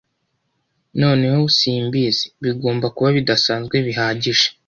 "Noneho simbizi. Bigomba kuba bidasanzwe bihagije.